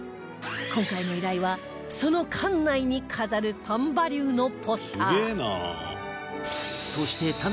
今回の依頼はその館内に飾る丹波竜のポスター